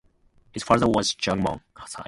His father was Jagmohan Singh.